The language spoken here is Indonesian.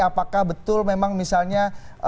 apakah betul memang misalnya